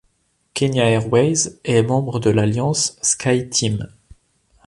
Kenya Airways est membre de l'alliance Skyteam.